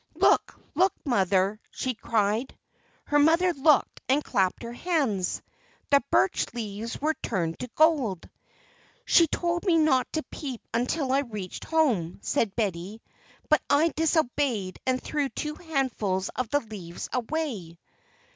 "Look! Look! Mother!" she cried. Her mother looked and clapped her hands. The birch leaves were turned to gold! "She told me not to peep until I reached home," said Betty, "but I disobeyed and threw two handfuls of the leaves away."